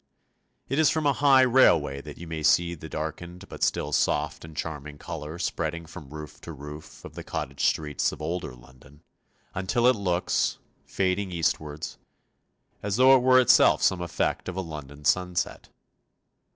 It is from a high railway that you may see the darkened but still soft and charming colour spreading from roof to roof of the cottage streets of older London, until it looks fading eastwards as though it were itself some effect of a London sunset.